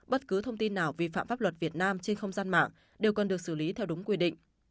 bất cứ thông tin nào vi phạm pháp luật việt nam trên không gian mạng đều cần được xử lý theo đúng quy định